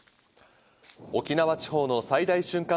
沖縄地方の最大瞬間